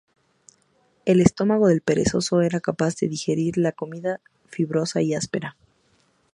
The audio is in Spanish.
El estómago del perezoso era capaz de digerir la comida fibrosa y áspera.